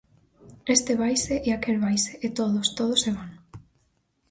Este vaise e aquel vaise, e todos, todos se van.